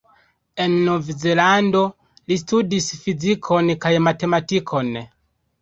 En Novzelando, li studis fizikon kaj matematikon.